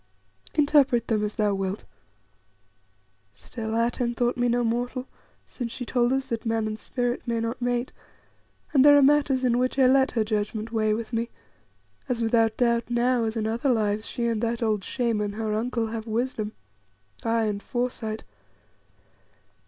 Interpret them as thou wilt. Still, Atene thought me no mortal, since she told us that man and spirit may not mate; and there are matters in which I let her judgment weigh with me, as without doubt now, as in other lives, she and that old Shaman, her uncle, have wisdom, aye, and foresight.